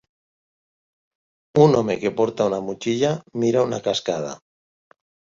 Un home que porta una motxilla mira una cascada.